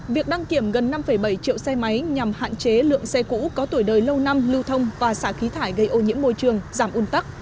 việc đăng kiểm gần năm bảy triệu xe máy nhằm hạn chế lượng xe cũ có tuổi đời lâu năm lưu thông và xả khí thải gây ô nhiễm môi trường giảm un tắc